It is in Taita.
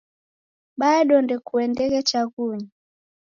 Bado ndekuendeghe chaghunyi?